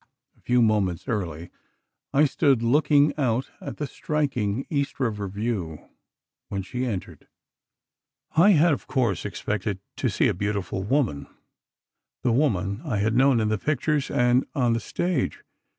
A few moments early, I stood looking out at the striking East River view, when she entered. I had, of course, expected to see a beautiful woman—the woman I had known in the pictures, and on the stage.